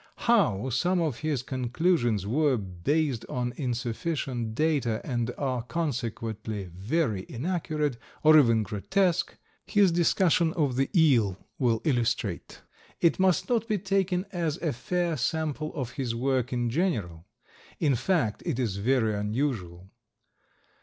How some of his conclusions were based on insufficient data and are consequently very inaccurate, or even grotesque, his discussion of the eel will illustrate. It must not be taken as a fair sample of his work in general. In fact, it is very unusual.